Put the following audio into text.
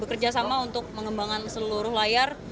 bekerja sama untuk mengembangkan seluruh layar